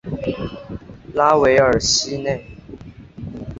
拉韦尔西内。